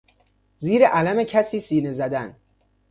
زیر علم کسی سینه زدن